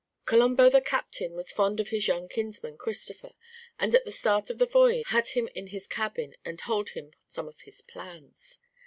Colombo the captain was fond of his young kinsman Christopher, and at the start of the voyage had him in his cabin and told him some of his plans.